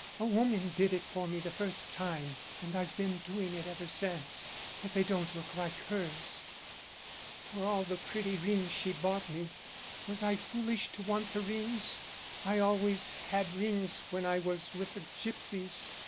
A woman did it for me the first time and I've been doing it ever since, but they don't look like hers, for all the pretty rings she bought me. Was I foolish to want the rings? I always had rings when I was with the gipsies.